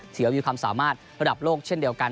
ถือว่ามีความสามารถระดับโลกเช่นเดียวกัน